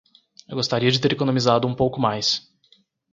Gostaria de ter economizado um pouco mais